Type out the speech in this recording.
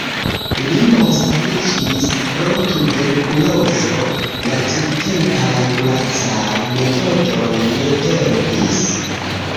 Li malsaniĝis pro tuberkulozo, la tiutempaj kuracaj metodoj ne helpis.